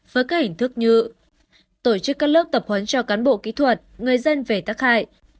với các hình thức như tổ chức các lớp tập huấn cho cán bộ kỹ thuật người dân về tác hại